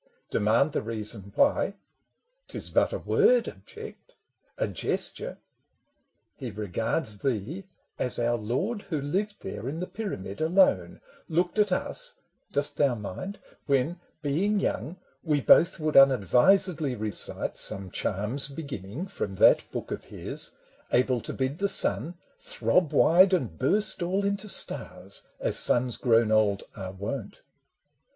Demand The reason why —" 't is but a word," object —" A gesture "— he regards thee as our lord Who lived there in the pyramid alone, Looked at us (dost thou mind?) when, being young, AN EPISTLE 193 We both would unadvisedly recite Some charm's beginning, from that book of his, Able to bid the sun throb wide and burst All into stars, as suns grown old are wont.